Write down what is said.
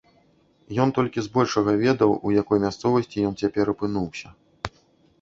Ён толькі збольшага ведаў, у якой мясцовасці ён цяпер апынуўся.